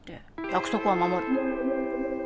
約束は守る。